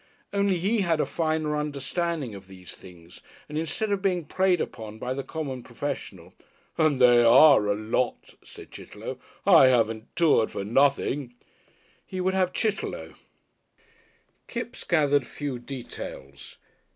Only he had a finer understanding of these things, and instead of being preyed upon by the common professional "and they are a lot," said Chitterlow; "I haven't toured for nothing" he would have Chitterlow. Kipps gathered few details.